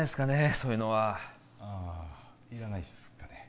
そういうのはああいらないっすかね